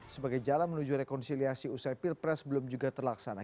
sebagai jalan menuju rekonsiliasi usai pilpres belum juga terlaksana